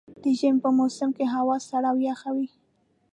د ژمي په موسم کې هوا سړه او يخه وي.